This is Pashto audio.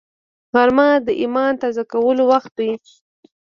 غرمه د ایمان تازه کولو وخت دی